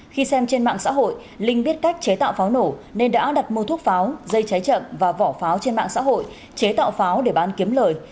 khi xem trên mạng xã hội linh biết cách chế tạo pháo nổ nên đã đặt mua thuốc pháo dây cháy chậm và vỏ pháo trên mạng xã hội chế tạo pháo để bán kiếm lời